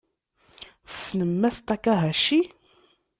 Tessnem Mass Takahashi?